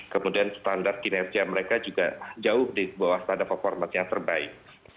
kemudian standar kinerja mereka juga jauh di bawah standar format yang terbaik